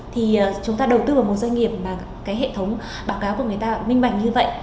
thì chúng ta đầu tư vào một doanh nghiệp mà cái hệ thống báo cáo của người ta minh bạch như vậy